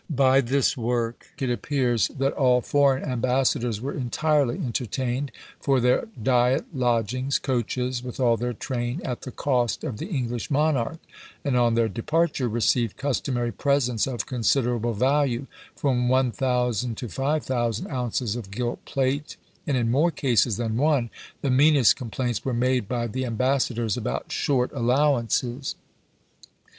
By this work it appears that all foreign ambassadors were entirely entertained, for their diet, lodgings, coaches, with all their train, at the cost of the English monarch, and on their departure received customary presents of considerable value; from 1000 to 5000 ounces of gilt plate; and in more cases than one, the meanest complaints were made by the ambassadors about short allowances.